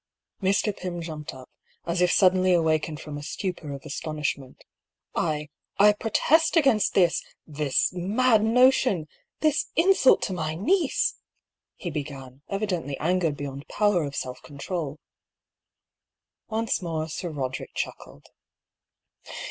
Mr. Pym jumped up, as if suddenly awakened from a stupor of astonishment. "I — I protest against this — this mad notion — this insult to my niece !" he began, evidently angered be yond power of self control. Once more Sir Roderick chuckled.